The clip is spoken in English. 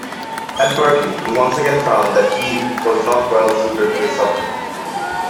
At Berkeley, he once again found that he was not well-suited to his subject.